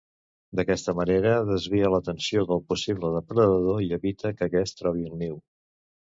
D'aquesta manera desvia l'atenció del possible depredador i evita que aquest trobi el niu.